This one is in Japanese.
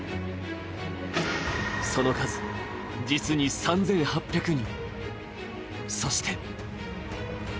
その数、実に３８００人。